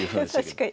確かに。